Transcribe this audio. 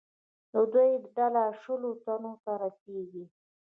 د دوی ډله شلو تنو ته رسېږي.